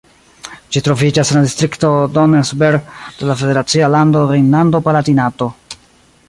Ĝi troviĝas en la distrikto Donnersberg de la federacia lando Rejnlando-Palatinato.